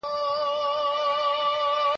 شهادت د حماقت يې پر خپل ځان كړ